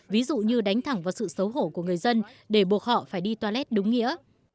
ví dụ như đánh thẳng vào sự xấu hổ của người dân để buộc họ phải đi to lét đúng nghĩa